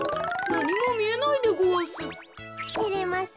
なにもみえないでごわす。